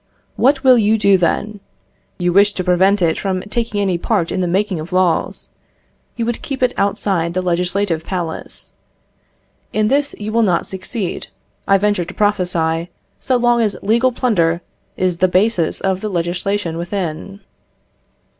What will you do then? You wish to prevent it from taking any part in the making of laws. You would keep it outside the Legislative Palace. In this you will not succeed, I venture to prophesy, so long as legal plunder is the basis of the legislation within.